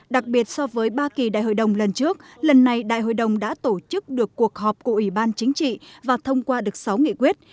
đặc biệt so với ba kỳ đại hội đồng lần trước lần này đại hội đồng đã tổ chức được cuộc họp của ủy ban chính trị và thông qua được sáu nghị quyết